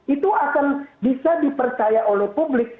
itu akan bisa dipercaya oleh publik